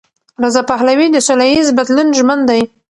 رضا پهلوي د سولهییز بدلون ژمن دی.